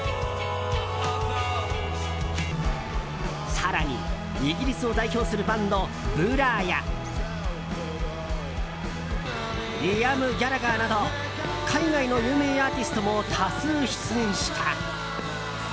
更にイギリスを代表するバンドブラーやリアムギャラガーなど海外の有名アーティストも多数出演した。